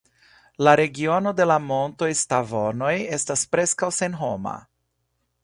La regiono de la montoj Stavonoj estas preskaŭ senhoma.